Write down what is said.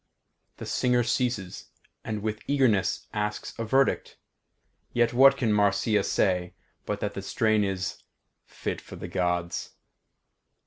The singer ceases, and with eagerness asks a verdict, yet what can Marcia say but that the strain is "fit for the Gods"?